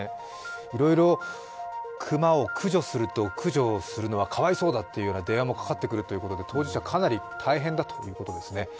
いろいろ熊を駆除すると、駆除するのはかわいそうだという電話もかかってくるということで、当事者、かなり大変だということですね。